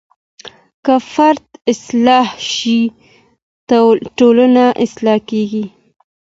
که فرد اصلاح شي ټولنه اصلاح کیږي.